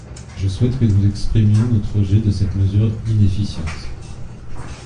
Je souhaite que nous exprimions notre rejet de cette mesure inefficiente.